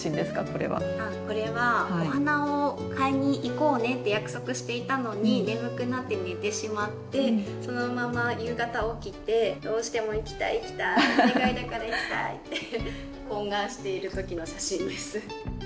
これはお花を買いにいこうねって約束していたのに眠くなって寝てしまってそのまま夕方起きてどうしても行きたい行きたいお願いだから行きたいって懇願している時の写真です。